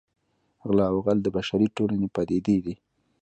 غلا او غل د بشري ټولنې پدیدې دي